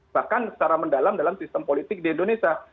bahkan secara mendalam dalam sistem politik di indonesia